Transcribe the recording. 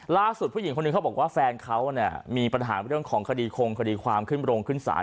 ผู้หญิงคนหนึ่งเขาบอกว่าแฟนเขาเนี่ยมีปัญหาเรื่องของคดีคงคดีความขึ้นโรงขึ้นศาล